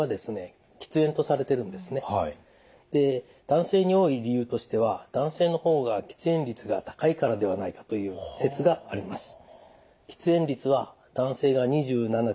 男性に多い理由としては男性の方が喫煙率が高いからではないかという説があります。